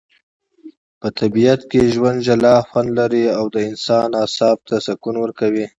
په طبیعت کي ژوند جلا خوندلري.او د انسان اعصاب ته سکون ورکوي